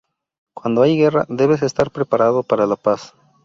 Cuando hay guerra, debes estar preparado para la paz".